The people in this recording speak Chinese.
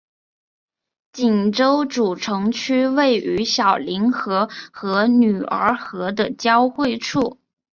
锦州主城区位于小凌河和女儿河的交汇处。